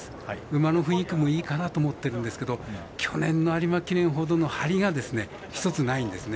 馬の雰囲気もいいかなと思っているんですけど去年の有馬記念ほどのハリが一つないんですね。